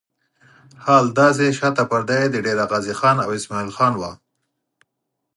حال دا چې شاته پرده یې د ډېره غازي خان او اسماعیل خان وه.